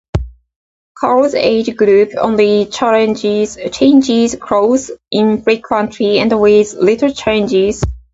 Carl's age group only changes clothes infrequently and with little changes.